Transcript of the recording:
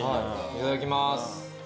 いただきます。